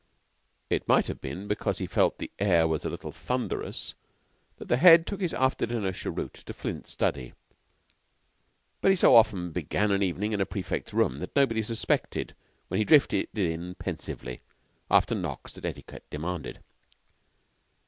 It might have been because he felt the air was a little thunderous that the Head took his after dinner cheroot to Flint's study; but he so often began an evening in a prefect's room that nobody suspected when he drifted in pensively, after the knocks that etiquette demanded.